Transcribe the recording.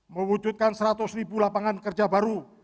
mewujudkan seratus ribu lapangan kerja baru